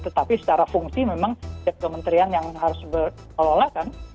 tetapi secara fungsi memang setiap kementerian yang harus berkelola kan